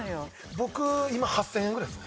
僕今８０００円ぐらいですね。